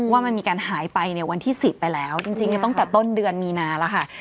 ว่ามันมีการหายไปในวันที่๑๐ไปแล้วจริงตั้งแต่ต้นเดือนมีนาแล้วค่ะ